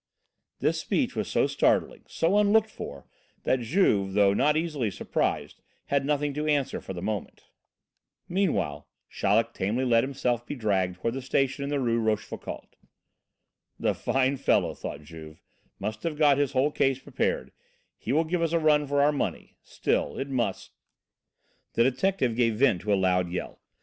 This speech was so startling, so unlooked for, that Juve, though not easily surprised, had nothing to answer for the moment. Meanwhile, Chaleck tamely let himself be dragged toward the station in the Rue Rochefoucauld. "The fine fellow," thought Juve, "must have got his whole case prepared he will give us a run for our money; still it must " The detective gave vent to a loud yell.